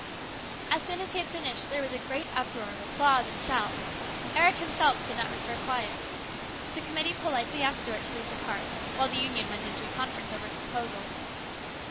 As soon as he had finished there was a great uproar of applause and shouts. Eric himself could not restore quiet. The committee politely asked Stuart to leave the park while the Union went into a conference over his proposals.